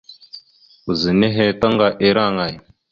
Ɓəza nehe taŋga ira aŋay?